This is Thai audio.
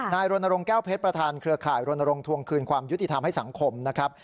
นายโรนโรงแก้วเพชรประธานเธอข่ายโรนโรงทวงคืนความยุติธรรมให้สังคมนะครับ